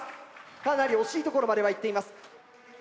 かなり惜しいところまではいっています。